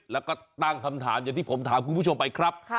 แล้วก็ตั้งคำถามอย่างที่ผมถามคุณผู้ชมไปครับ